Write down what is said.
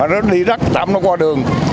nó đi rất tạm nó qua đường